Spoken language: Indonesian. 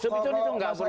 sebetulnya itu nggak perlu